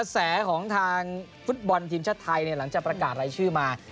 แสของทางฟุตบอลทีมชาติไทยหลังจากประกาศรายชื่อมา